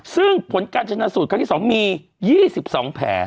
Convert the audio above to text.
ซึ่งผลการชนะสูตรครั้งที่๒มี๒๒แผล